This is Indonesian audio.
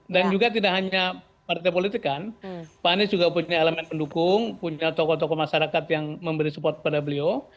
dan juga tidak hanya partai politik kan pak anies juga punya elemen pendukung punya tokoh tokoh masyarakat yang memberi support kepada beliau